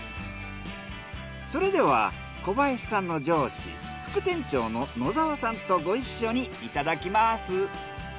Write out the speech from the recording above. それでは小林さんの上司副店長の野澤さんとご一緒にいただきます。